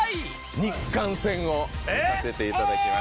日韓戦を見させていただきました。